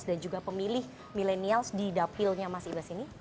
dan juga pemilih milenial di dapilnya mas ibas ini